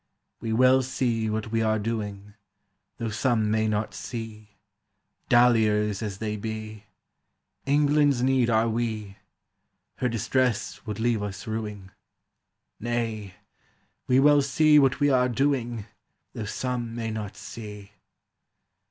We well see what we are doing, Though some may not seeŌĆö Dalliers as they beŌĆö EnglandŌĆÖs need are we; Her distress would leave us rueing: Nay. We well see what we are doing, Though some may not see!